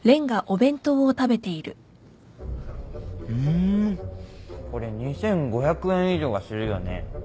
んこれ２，５００円以上はするよね。